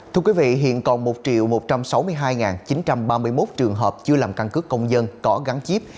thưa quý vị hiện còn một một trăm sáu mươi hai chín trăm ba mươi một trường hợp chưa làm căn cứ công dân có gắn chip